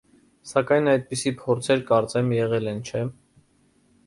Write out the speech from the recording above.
Սակայն այդպիսի փորձեր, կարծեմ, եղել են, չէ՞: